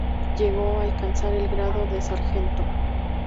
Llegó a alcanzar el grado de sargento.